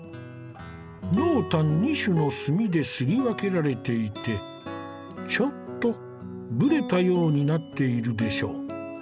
濃淡２種の墨で摺り分けられていてちょっとぶれたようになっているでしょ。